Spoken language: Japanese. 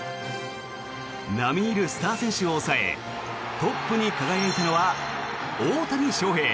並み居るスター選手を抑えトップに輝いたのは大谷翔平。